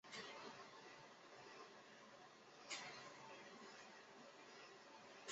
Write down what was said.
惠特曾代表英格兰所有年龄级别的青少队出赛。